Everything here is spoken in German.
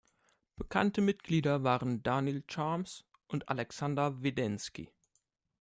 Bekannte Mitglieder waren Daniil Charms und Alexander Wwedenski.